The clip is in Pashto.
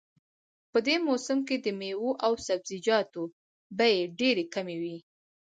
په دې موسم کې د میوو او سبزیجاتو بیې ډېرې کمې وي